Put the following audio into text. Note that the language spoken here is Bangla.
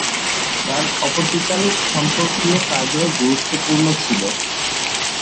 তাঁর অপটিক্যাল সম্পর্কীয় কাজও গুরুত্বপূর্ণ ছিল।